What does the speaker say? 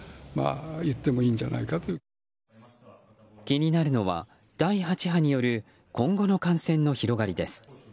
気になるのは、第８波による今後の感染の広がりです。